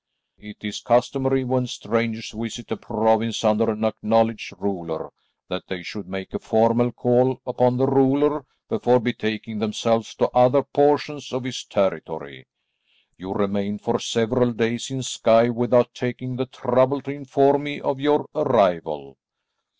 It is customary when strangers visit a province under an acknowledged ruler, that they should make a formal call upon the ruler before betaking themselves to other portions of his territory. You remained for several days in Skye without taking the trouble to inform me of your arrival."